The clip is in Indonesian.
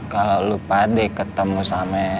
kalau lo pade ketemu sama